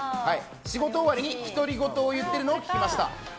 仕事終わりに独り言を言っているのを聞きました。